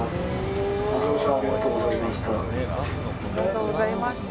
ご乗車ありがとうございました。